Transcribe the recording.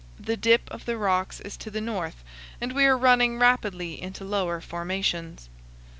The dip of the rocks is to the north and we are running rapidly into lower formations.